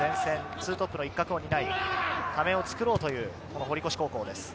２トップの一角を担い、壁を作ろうという堀越高校です。